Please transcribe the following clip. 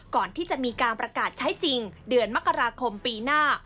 ก่อนที่จะมีการประกาศใช้จริงเดือนมกราคมปีหน้า